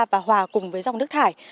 và hòa cùng với dòng nước thải